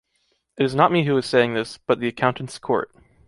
It is not me who is saying this, but the accountants’ Court.